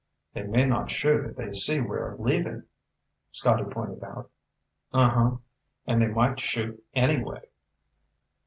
"They may not shoot if they see we're leaving," Scotty pointed out. "Uh huh. And they might shoot, anyway."